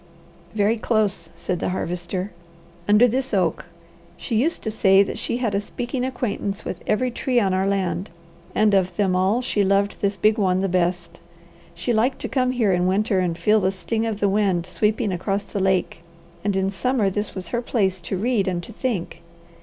"Very close," said the Harvester. "Under this oak. She used to say that she had a speaking acquaintance with every tree on our land, and of them all she loved this big one the best. She liked to come here in winter, and feel the sting of the wind sweeping across the lake, and in summer this was her place to read and to think.